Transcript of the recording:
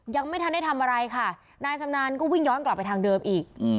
ยังไม่ทันได้ทำอะไรค่ะนายชำนาญก็วิ่งย้อนกลับไปทางเดิมอีก